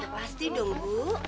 pasti dong bu